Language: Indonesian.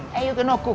jadi kenapa menggulung